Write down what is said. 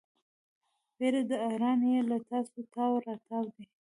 پیره داران یې له تاسونه تاو راتاو دي.